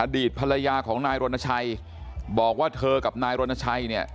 ดีตภรรยาของนายรณชัยบอกว่าเธอกับนายรณชัยเนี่ย